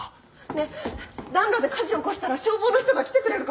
ねえ暖炉で火事起こしたら消防の人が来てくれるかも。